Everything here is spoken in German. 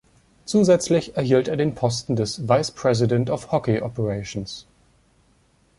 Zusätzlich erhielt er den Posten des Vice President Of Hockey Operations.